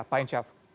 apa yang siap